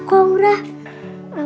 kamu bisa jalan